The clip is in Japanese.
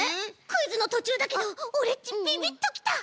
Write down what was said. クイズのとちゅうだけどオレっちビビッときた！